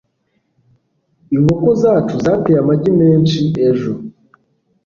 inkoko zacu zateye amagi menshi ejo